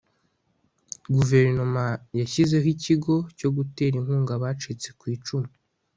guverinoma yashyizeho ikigo cyo gutera inkunga abacitse ku icumu